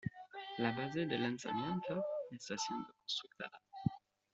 La base de lanzamiento está siendo construida.